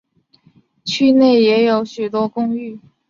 区内也有许多公寓。